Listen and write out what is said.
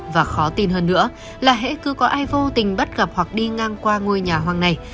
và khó tin hơn nữa là hãy cứ có ai vô tình bắt gặp hoặc đi ngang qua ngôi nhà hoang này